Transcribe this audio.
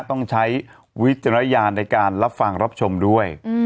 ต้องใช้วิจารณญาณในการรับฟังรับชมด้วย